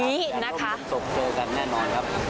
อยากร่วมรุมศพเจอกันแน่นอนครับ